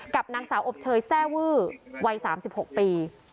กับนางสาวอบเชยแทร่วื้อวัย๓๖ปี